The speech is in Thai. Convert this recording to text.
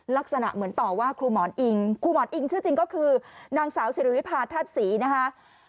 ลักษณะเหมือนต่อว่าครูหมอนอิงครูหมอนอิงชื่อจริงก็คือนางสาวสิริวิพาแทบศรีนะคะ